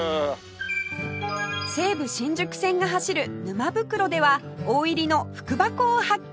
西武新宿線が走る沼袋では大入りの福箱を発見！